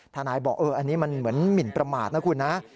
นายบอกอันนี้มันเหมือนหมินประมาทนะคุณนะ